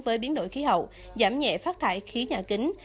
với biến đổi khí hậu giảm nhẹ phát thải khí nhà kính